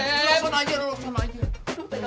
loh langsung aja langsung aja